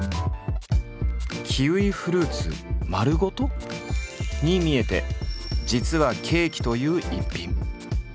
キウイフルーツ丸ごと？に見えて実はケーキという逸品。